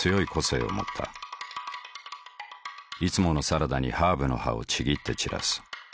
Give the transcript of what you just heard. いつものサラダにハーブの葉をちぎって散らす。